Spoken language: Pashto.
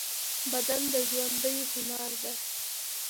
بدن د ژوندۍ هنر دی.